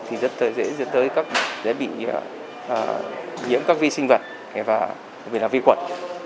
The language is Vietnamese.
thì rất dễ bị nhiễm các vi sinh vật và vì là vi quẩn